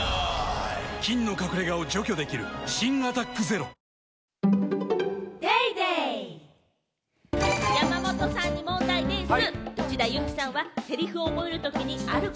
菌の隠れ家を除去できる新「アタックＺＥＲＯ」山本さんに問題でぃす。